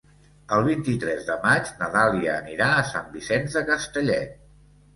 El vint-i-tres de maig na Dàlia anirà a Sant Vicenç de Castellet.